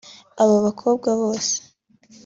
Aba bakobwa bose